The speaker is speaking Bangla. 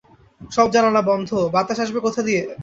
সব জানালা বন্ধ, বাতাস আসবে কোথা দিয়ে?